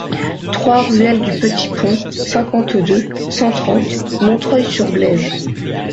trois ruelle du Petit Pont, cinquante-deux, cent trente, Montreuil-sur-Blaise